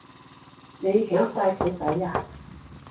你起晒佢底呀？